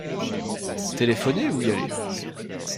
Téléphoner ou y aller.